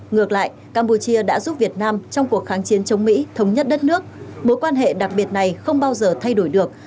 ngược lại campuchia đã giúp việt nam trong cuộc kháng chiến chống mỹ thống nhất đất nước